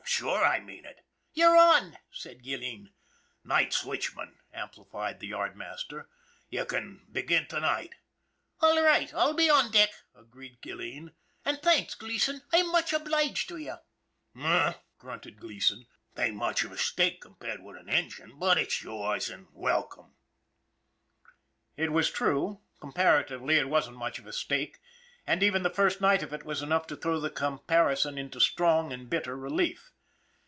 " Sure, I mean it." " You're on," said Gilleen. " Night switchman," amplified the yard master. " You can begin to night." "All right, I'll be on deck," agreed Gilleen; "an* thanks, Gleason. I'm much obliged to you." " Humph !" grunted Gleason. " 'Tain't much of a stake compared with an engine, but it's yours, an' wel come." It was quite true. Comparatively, it wasn't much of a stake, and even the first night of it was enough to throw the comparison into strong and bitter relief.